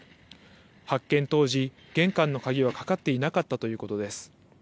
発見当時、玄関の鍵はかかっていなかったということです。